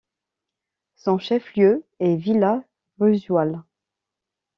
Son chef-lieu est Villa Bruzual.